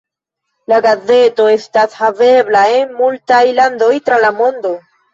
La gazeto estas havebla en multaj landoj tra la mondo.